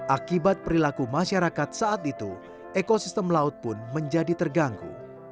akibat perilaku masyarakat saat itu ekosistem laut pun menjadi terganggu